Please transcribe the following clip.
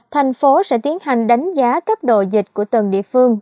thành phố sẽ tiến hành đánh giá cấp độ dịch của từng địa phương